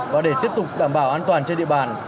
và để tiếp tục đảm bảo an toàn trên địa bàn